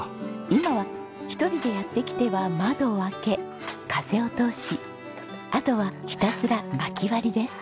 今は一人でやって来ては窓を開け風を通しあとはひたすらまき割りです。